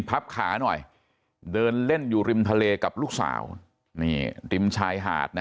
พับขาหน่อยเดินเล่นอยู่ริมทะเลกับลูกสาวนี่ริมชายหาดนะ